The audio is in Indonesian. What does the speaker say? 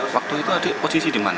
waktu itu adik posisi dimana